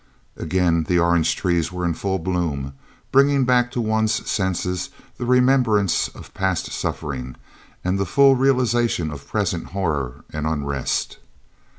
Again the orange trees were in full bloom, bringing back to one's senses the remembrance of past suffering, and the full realisation of present horror and unrest.